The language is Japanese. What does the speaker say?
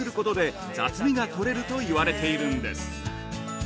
そうすることで雑味が取れるといわれているんです。